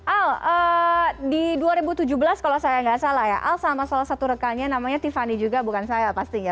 al di dua ribu tujuh belas kalau saya nggak salah ya al sama salah satu rekannya namanya tiffany juga bukan saya pastinya